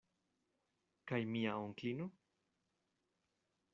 Kaj mia onklino?